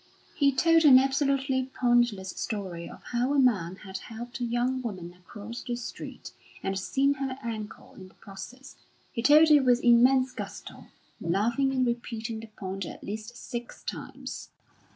He told an absolutely pointless story of how a man had helped a young woman across the street, and seen her ankle in the process. He told it with immense gusto, laughing and repeating the point at least six times.